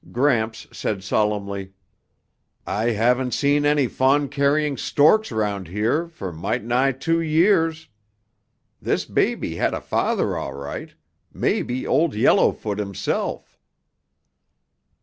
Gramps said solemnly, "I haven't seen any fawn carrying storks round here for might' nigh two years. This baby had a father all right, maybe Old Yellowfoot himself."